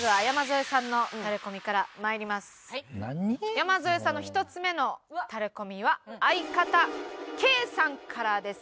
山添さんの１つ目のタレコミは相方ケイさんからです。